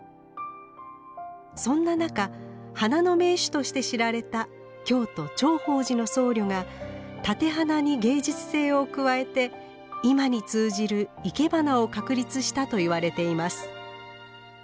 そんな中花の名手として知られた京都頂法寺の僧侶が立て花に芸術性を加えて今に通じるいけばなを確立したといわれています。